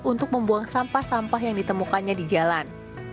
untuk membuang sampah sampah yang ditemukannya di jalan